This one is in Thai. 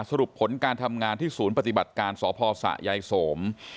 สรุปผลการทำงานที่ศูนย์ปฏิบัติการสพสะยายโสม